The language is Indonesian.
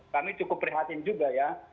kami cukup prihatin juga ya